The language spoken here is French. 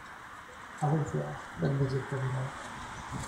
À revoir, mademoiselle Paméla.